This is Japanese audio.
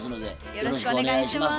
よろしくお願いします。